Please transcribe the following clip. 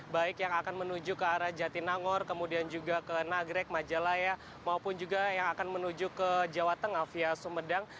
baik yang akan menuju ke arah jatinangor kemudian juga ke nagrek majalaya maupun juga yang akan menuju ke jawa tengah via sumedang